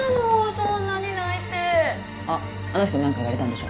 そんなに泣いてあっあの人に何か言われたんでしょ？